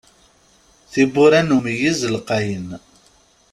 Tiwwura n umeyyez lqayen.